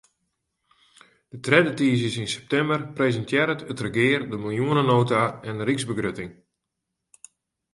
De tredde tiisdeis yn septimber presintearret it regear de miljoenenota en de ryksbegrutting.